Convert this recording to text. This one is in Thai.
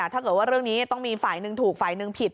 ถ้าเกิดว่าเรื่องนี้ต้องมีฝ่ายหนึ่งถูกฝ่ายหนึ่งผิด